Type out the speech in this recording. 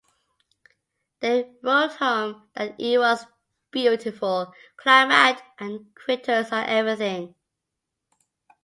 They wrote home that it was beautiful—climate and critters and everything.